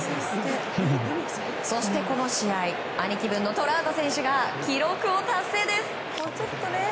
そして、この試合兄貴分のトラウト選手が記録を達成です。